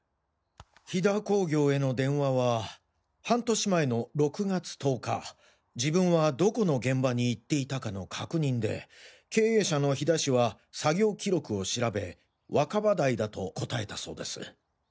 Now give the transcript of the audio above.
火田興業への電話は半年前の６月１０日自分はどこの現場に行っていたかの確認で経営者の火田氏は作業記録を調べ若葉台だと答えたそうです。